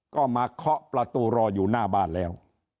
ก็มาเคาะประตูรออยู่หน้าบ้านแล้ว